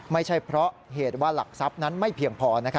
ไม่ใช่เพราะเหตุว่าหลักทรัพย์นั้นไม่เพียงพอ